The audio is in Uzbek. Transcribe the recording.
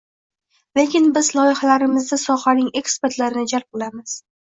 Lekin biz loyihalarimizda sohaning ekspertlarini jalb qilamiz.